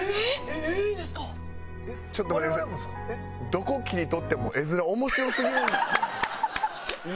どこ切り取っても画面面白すぎるんです今。